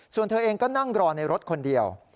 ส่วนเธอเองก็นั่งรอในรถคนเดียว